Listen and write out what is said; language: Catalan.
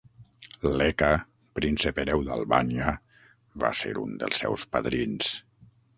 Leka, Príncep Hereu d'Albània, va ser un dels seus padrins.